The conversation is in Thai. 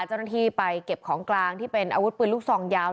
เจ้าหน้าที่ไปเก็บของกลางที่เป็นอาวุธปืนลูกซองยาว